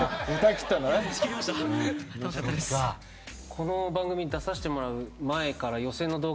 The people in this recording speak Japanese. この番組に出させてもらう前から。